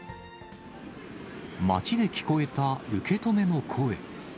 街で聞こえた受け止めの声。